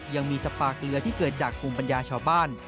ยังมีสปาเกลือที่เกิดจากภูมิปัญญาชาวบ้าน